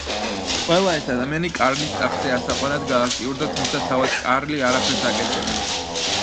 ყველა ეს ადამიანი კარლის ტახტზე ასაყვანად გააქტიურდა, თუმცა თავად კარლი არაფერს აკეთებდა.